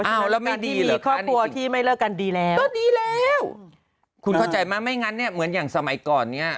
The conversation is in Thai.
อ้าวแล้วไม่ดีเหรอคะนี่จริงคุณเข้าใจไหมไม่งั้นเนี่ยเหมือนอย่างสมัยก่อนเนี่ย